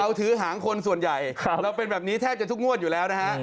ถือหางคนส่วนใหญ่เราเป็นแบบนี้แทบจะทุกงวดอยู่แล้วนะฮะ